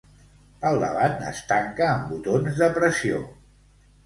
Pel davant es tanca amb botons de pressió.